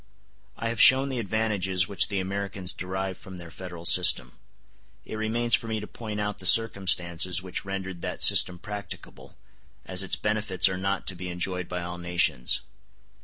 I have shown the advantages which the Americans derive from their federal system; it remains for me to point out the circumstances which rendered that system practicable, as its benefits are not to be enjoyed by all nations.